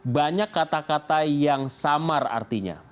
banyak kata kata yang samar artinya